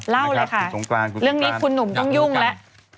เล่าเลยค่ะเรื่องนี้คุณหนุ่มต้องยุ่งแล้ว